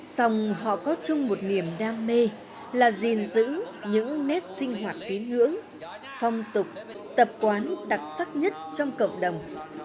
sòng họ có chung một niềm đam mê là gìn giữ những nét sinh hoạt tín ngưỡng phong tục tập quán đặc sắc nhất trong cộng đồng